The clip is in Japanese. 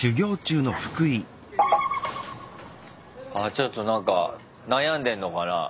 ちょっとなんか悩んでんのかな？